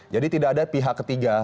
jadi tidak ada pihak ketiga